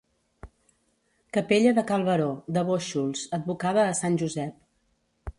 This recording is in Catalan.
Capella de Cal Baró, de Bóixols, advocada a sant Josep.